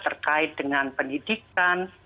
terkait dengan pendidikan